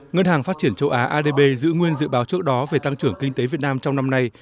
ngân hàng phát triển châu á adb giữ nguyên dự báo trước đó về tăng trưởng kinh tế việt nam trong năm nay